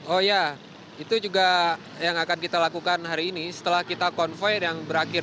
oh ya itu juga yang akan kita lakukan hari ini setelah kita konvoy yang berakhir